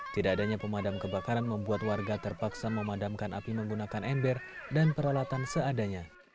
tidak adanya pemadam kebakaran membuat warga terpaksa memadamkan api menggunakan ember dan peralatan seadanya